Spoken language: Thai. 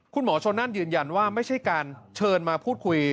คุณหมอชนนั่นยืนยันว่าไม่ใช่การเชิญมาพูดคุย